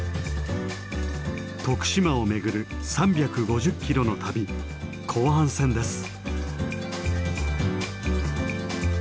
徳島を巡る３５０キロの旅後半戦です。